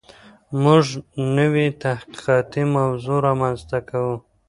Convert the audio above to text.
موږ نوي تحقیقاتي موضوعات رامنځته کوو.